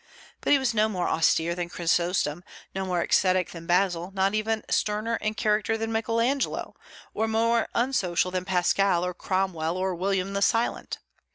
But he was no more austere than Chrysostom, no more ascetic than Basil, not even sterner in character than Michael Angelo, or more unsocial than Pascal or Cromwell or William the Silent.